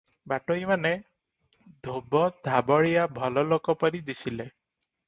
ବାଟୋଇମାନେ ଧୋବଧାବଳିଆ ଭଲଲୋକ ପରି ଦିଶିଲେ ।